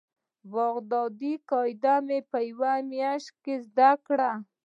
بغدادي قاعده مې په مياشت کښې زده کړه.